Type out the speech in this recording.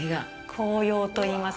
「紅葉」といいます。